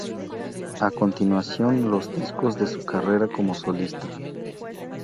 A continuación los discos de su carrera como solista.